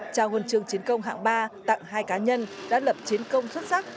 trao hồn trường chiến công hạng ba tặng hai cá nhân đã lập chiến công xuất sắc